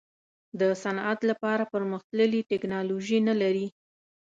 د صنعت لپاره پرمختللې ټیکنالوجي نه لري.